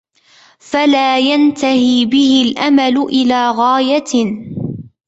فَلَا يَنْتَهِي بِهِ الْأَمَلُ إلَى غَايَةٍ